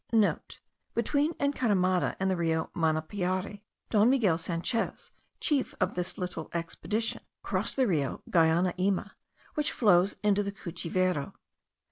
(* Between Encaramada and the Rio Manapiare, Don Miguel Sanchez, chief of this little expedition, crossed the Rio Guainaima, which flows into the Cuchivero.